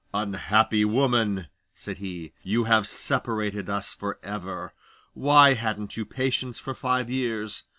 'Unhappy woman,' said he, 'you have separated us for ever! Why hadn't you patience for five years?